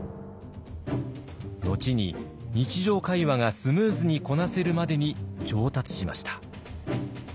後に日常会話がスムーズにこなせるまでに上達しました。